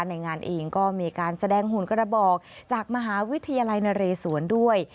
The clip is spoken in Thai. ในงานเองก็มีการแสดงหุ่นกระบอกจากมหาวิทยาลัยนเรศวรด้วย